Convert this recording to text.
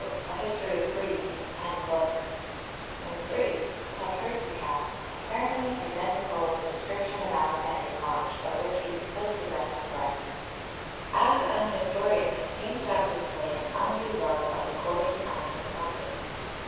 12); (2) a History of Greece in ten books; (3) τὰ Περσικά, apparently identical with the description of Alexander's march, of which we still possess fragments. As an historian he seems to have displayed an undue love of recording signs and wonders.